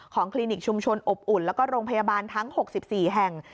คลินิกชุมชนอบอุ่นแล้วก็โรงพยาบาลทั้ง๖๔แห่ง